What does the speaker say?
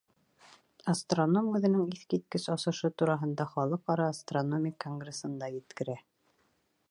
Астроном үҙенең иҫ киткес асышы тураһында Халыҡ ара астрономик конгрессында еткерә.